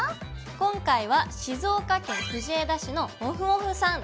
今回は静岡県藤枝市のもふもふさん